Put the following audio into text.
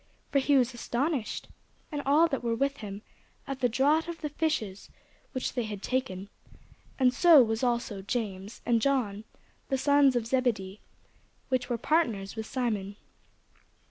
For he was astonished, and all that were with him, at the draught of the fishes which they had taken: and so was also James, and John, the sons of Zebedee, which were partners with Simon.